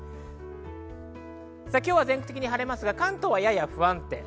今日は全国的に晴れますが、関東はやや不安定。